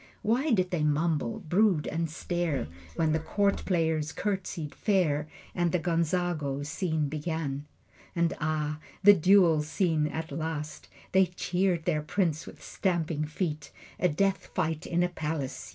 Why did they mumble, brood, and stare When the court players curtsied fair And the Gonzago scene began? And ah, the duel scene at last! They cheered their prince with stamping feet. A death fight in a palace!